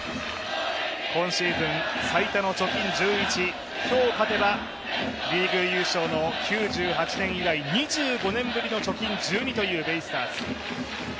今シーズン最多の貯金１１、今日勝てばリーグ優勝の９８年以来２５年ぶりの貯金１２というベイスターズ。